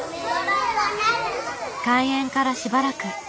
開園からしばらく。